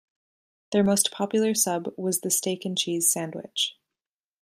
Their most popular sub was the Steak and Cheese sandwich.